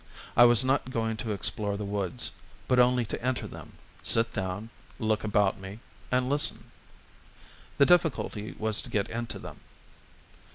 I was not going to explore the woods, but only to enter them, sit down, look about me, and listen. The difficulty was to get into them.